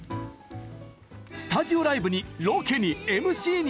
スタジオライブにロケに、ＭＣに。